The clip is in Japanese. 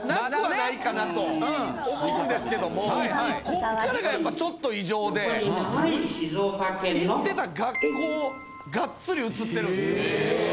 こっからがやっぱちょっと異常で行ってた学校ガッツリ映ってるんすよ。